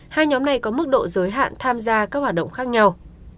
hai nhóm này có mức độ giới hạn tham gia các hoạt động khác nhau